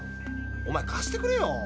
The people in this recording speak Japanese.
おまえ貸してくれよ。